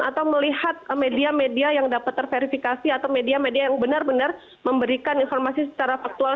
atau melihat media media yang dapat terverifikasi atau media media yang benar benar memberikan informasi secara faktual